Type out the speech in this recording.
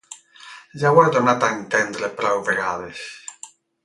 Ja ho has donat a entendre prou vegades.